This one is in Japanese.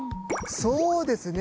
そうですね。